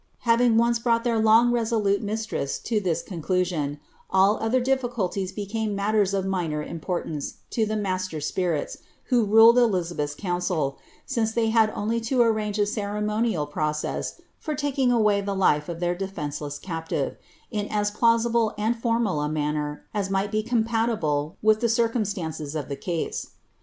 Having once brought their long irresolute mistress to this conclusion, all other difficulties became matters of minor importance to the master spirits who ruled Elizabeth's council, since they had only to arrange a ceremonial process for taking away the life of their defenceless captive, in as plausible and formal a manner as might be compatible with the circumstances of the case.